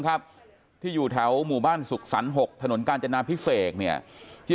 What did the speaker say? ครับที่อยู่แถวหมู่บ้านสุขสรรค์๖ถนนกาญจนาพิเศษเนี่ยที่